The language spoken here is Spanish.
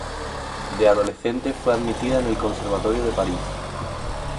De adolescente fue admitida en el Conservatorio de París.